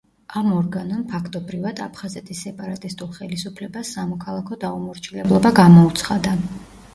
ამ ორგანომ, ფაქტობრივად, აფხაზეთის სეპარატისტულ ხელისუფლებას სამოქალაქო დაუმორჩილებლობა გამოუცხადა.